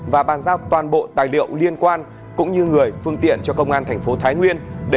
và bàn giao toàn bộ tài liệu liên quan cũng như người phương tiện cho công an thành phố thái nguyên